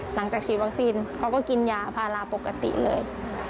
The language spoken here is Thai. หลังจากฉีดวัคซีนเขาก็กินยาพาราปกติเลย